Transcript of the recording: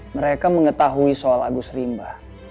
mereka mengetahui soal agus rimba